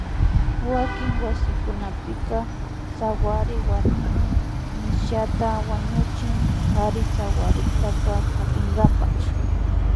Wakin wasikunapika sawary warmimi michata wañuchin kari sawarikta hapinkapa